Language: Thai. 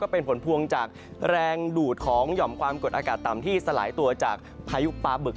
เป็นผลพวงจากแรงดูดของหย่อมความกดอากาศต่ำที่สลายตัวจากพายุปลาบึก